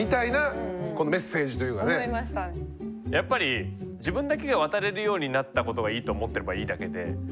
やっぱり自分だけが渡れるようになったことがいいと思っていればいいだけで。